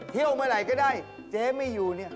เมื่อไหร่ก็ได้เจ๊ไม่อยู่เนี่ย